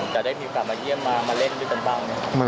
จะได้มีการมาเยี่ยมมามาเล่นด้วยกันเปล่าเนี่ย